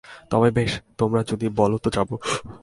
তা বেশ, তোমরা যদি বল তো যাব।